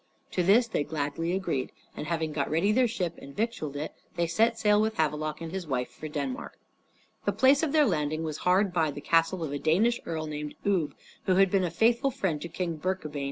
To this they gladly agreed, and having got ready their ship and victualed it, they set sail with Havelok and his wife for Denmark. The place of their landing was hard by the castle of a Danish earl named Ubbe, who had been a faithful friend to King Birkabeyn.